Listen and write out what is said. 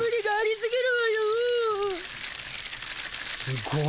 すごい。